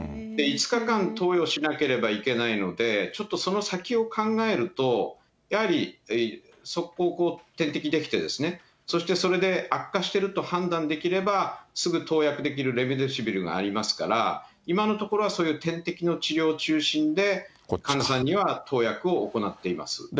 ５日間投与しなければいけないので、ちょっとその先を考えると、やはり速攻点滴できて、そしてそれで悪化していると判断できれば、すぐ投薬できるレムデシビルがありますから、今のところはそういう点滴の治療中心で、患者さんには投薬を行っています。